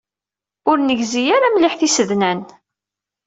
Ur negzi ara mliḥ tisednan.